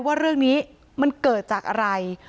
ว่าเรื่องนี้มันเกิดจากอะไร